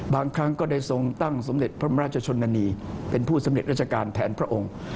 ครั้งก็ได้ทรงตั้งสมเด็จพระมราชชนนานีเป็นผู้สำเร็จราชการแทนพระองค์